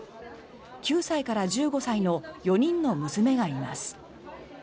９歳から１５歳の４人の娘がいます。